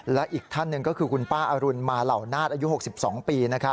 และอีกท่านหนึ่งก็คือคุณป้าอรุณมาเหล่านาศอายุ๖๒ปี